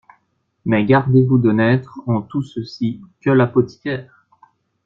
Mais gardez-vous de n'être, en tout ceci, que l'apothicaire.